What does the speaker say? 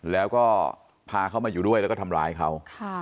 แล้วก็พาเขามาอยู่ด้วยแล้วก็ทำร้ายเขา